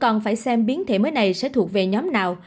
còn phải xem biến thể mới này sẽ thuộc về nhóm nào